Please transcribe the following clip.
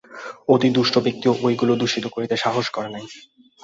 অতি দুষ্ট ব্যক্তিও ঐগুলি দূষিত করিতে সাহস করে নাই।